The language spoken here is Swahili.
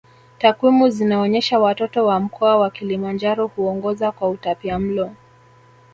Takwimu zinaonyesha watoto wa mkoa wa Kilimanjaro huongoza kwa utapiamlo